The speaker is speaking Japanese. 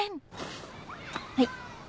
はい。